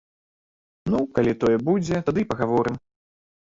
Ну, калі тое будзе, тады і пагаворым.